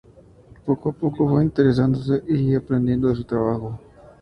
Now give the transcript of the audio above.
Poco a poco fue interesándose y aprendiendo de su trabajo.